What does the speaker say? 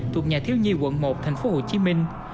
thuộc nhà thiếu nhi quận một thành phố hồ chí minh